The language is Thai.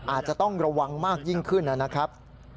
อาจจะต้องระวังมากยิ่งขึ้นนะครับ